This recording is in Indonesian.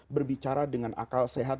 berbicara dengan akal sehat